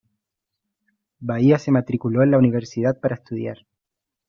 Bahía se matriculó en la universidad para estudiar.